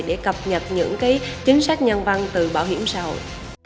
để cập nhật những cái chính sách nhân vang từ bảo hiểm xã hội